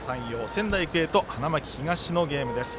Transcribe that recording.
仙台育英と花巻東のゲームです。